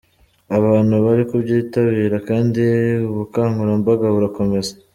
Abantu bari kubyitabira kandi ubukangurambaga burakomeza.